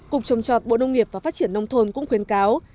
cục trồng trọt bộ nông nghiệp và phát triển nông thôn cũng khuyến cáo